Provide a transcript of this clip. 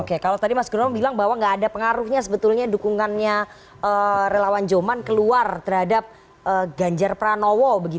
oke kalau tadi mas grom bilang bahwa gak ada pengaruhnya sebetulnya dukungannya relawan joman keluar terhadap ganjar pranowo